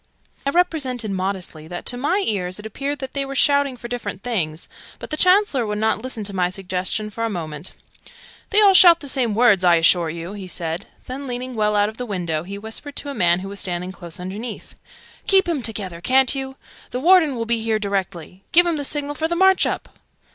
I represented, modestly, that to my ears it appeared that they were shouting for different things, but the Chancellor would not listen to my suggestion for a moment. "They all shout the same words, I assure you!" he said: then, leaning well out of the window, he whispered to a man who was standing close underneath, "Keep'em together, ca'n't you? The Warden will be here directly. Give'em the signal for the march up!"